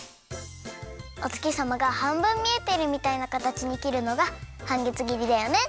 おつきさまがはんぶんみえてるみたいなかたちにきるのがはんげつぎりだよね。